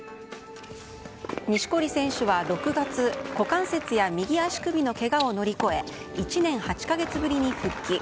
錦織選手は６月股関節や右足首のけがを乗り越え１年８か月ぶりに復帰。